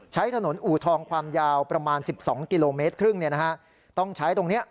ใช้ถนนอูทองความยาวประมาณ๑๒กิโลเมตรครึ่งต้องใช้ตรงนี้